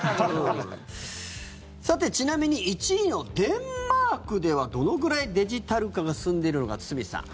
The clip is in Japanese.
さて、ちなみに１位のデンマークではどのぐらいデジタル化が進んでいるのか、堤さん。